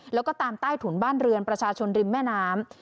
แล้วก็ตามใต้ถุนบ้านเรือนประชาชนริมแม่น้ำ